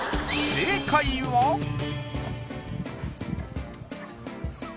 正解はえ！